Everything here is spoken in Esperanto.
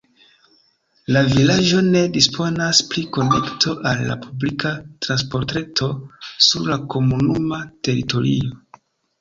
La vilaĝo ne disponas pri konekto al la publika transportreto sur la komunuma teritorio.